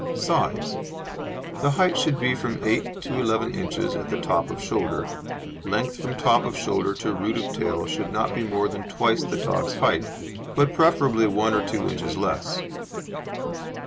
SIZE The height should be from 8 to 11 inches at the top of shoulder. Length from top of shoulder to root of tail should not be more than twice the dog's height, but, preferably, one or two inches less.